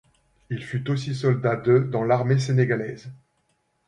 Il fut aussi soldat de dans l’armée sénégalaise.